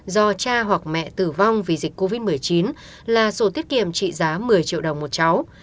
do cha hoặc mẹ tử vong vì dịch covid một mươi chín là sổ tiết kiệm trị giá một mươi triệu đồng một cháu